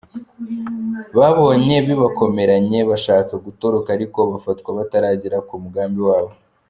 Babonye bibakomeranye bashaka gutoroka ariko bafatwa bataragera ku mugambi wabo.